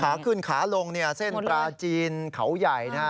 ขาขึ้นขาลงเนี่ยเส้นปลาจีนเขาใหญ่นะฮะ